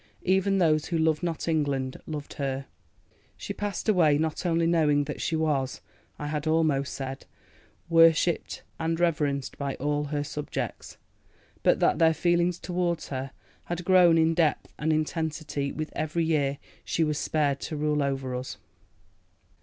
Even those who loved not England loved her. She passed away not only knowing that she was, I had almost said, worshipped and reverenced by all her subjects, but that their feelings towards her had grown in depth and intensity with every year she was spared to rule over us."